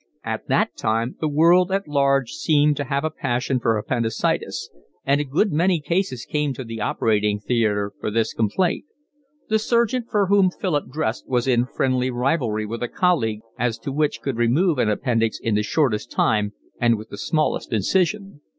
At that time the world at large seemed to have a passion for appendicitis, and a good many cases came to the operating theatre for this complaint: the surgeon for whom Philip dressed was in friendly rivalry with a colleague as to which could remove an appendix in the shortest time and with the smallest incision.